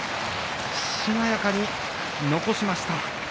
しなやかに残しました。